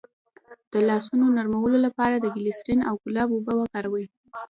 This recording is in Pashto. د لاسونو نرمولو لپاره د ګلسرین او ګلاب اوبه وکاروئ